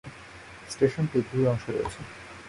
স্টেশনটি দুটি অংশে রয়েছে।